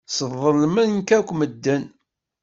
Sḍelmen-k akk medden.